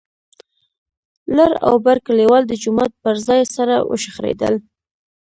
لر او بر کليوال د جومات پر ځای سره وشخړېدل.